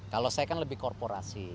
kalau saya kan lebih korporasi